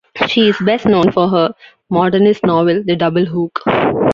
She "is best known for her modernist novel, "The Double Hook".